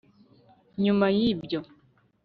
nyuma y'ibyo